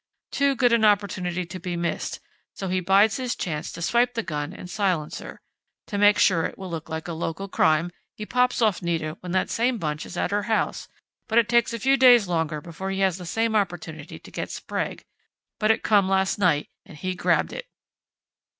Too good an opportunity to be missed, so he bides his chance to swipe the gun and silencer. To make sure it will look like a local crime, he pops off Nita when that same bunch is at her house, but it takes a few days longer before he has the same opportunity to get Sprague. But it come last night and he grabbed it."